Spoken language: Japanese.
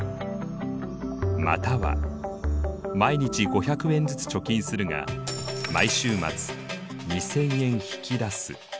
または毎日５００円ずつ貯金するが毎週末２０００円引き出す。